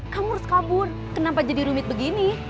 kamu harus kabur kenapa jadi rumit begini